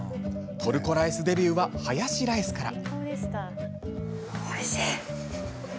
トルコライスデビューはハヤシライスから。